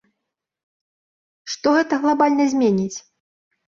Што гэта глабальна зменіць?